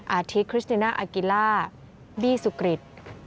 อาทิตย์คริสติน่ากิลล่าบี้สุกริด